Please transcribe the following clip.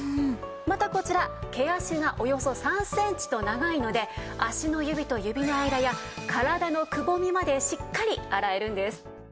またこちら毛足がおよそ３センチと長いので足の指と指の間や体のくぼみまでしっかり洗えるんです。